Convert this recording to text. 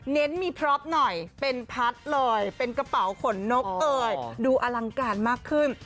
เน้นมีพร็อปหน่อยเป็นพัดเลยเป็นกระเป๋าขนนกเอ่ยดูอลังการมากขึ้น